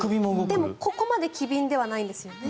でもここまで機敏ではないんですよね。